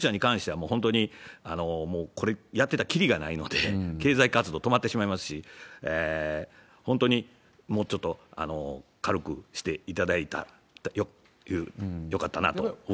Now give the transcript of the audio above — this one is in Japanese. なので、濃厚接触者に関しては、本当にもうこれやってたらきりがないので、経済活動止まってしまいますし、本当にもうちょっと軽くしていただいたらよかったなと僕は思います。